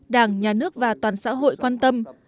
đảng nhà nước và toàn xã hội quan tâm